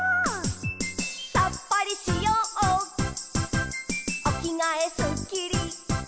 「さっぱりしようおきがえすっきり」